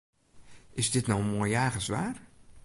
Is dit no moai jagerswaar?